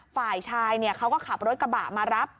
ฝ่ายชายเขาก็ขับรถกระบะมารับ